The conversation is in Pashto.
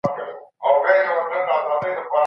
زه د ذمي د حق د ادا کولو لپاره تر ټولو وړ کس یم.